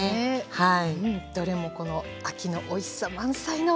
はい。